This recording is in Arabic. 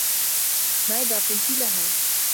ماذا قلتِ لها؟